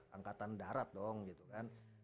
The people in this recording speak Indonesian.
angkatan darat dong gitu kan